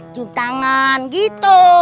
cium tangan gitu